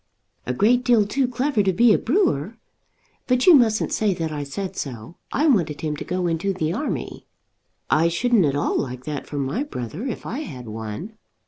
"A great deal too clever to be a brewer. But you mustn't say that I said so. I wanted him to go into the army." "I shouldn't at all like that for my brother if I had one."